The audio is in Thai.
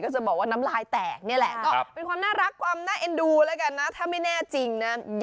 เออเนี่ยภาษาเหนือปะคะนะครับ